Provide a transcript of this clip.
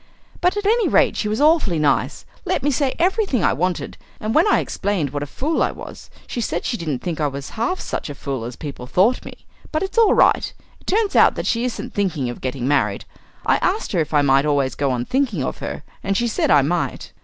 But at any rate she was awfully nice let me say everything I wanted, and when I explained what a fool I was, she said she didn't think I was half such a fool as people thought me. But it's all right. It turns out that she isn't thinking of getting married. I asked her if I might always go on thinking of her, and she said I might."